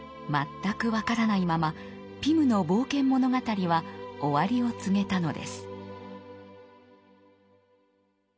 全く分からないままピムの冒険物語は終わりを告げたのです。